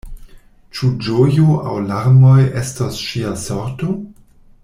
Ĉu ĝojo aŭ larmoj estos ŝia sorto?